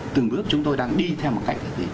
từng bước chúng tôi đang đi theo một cách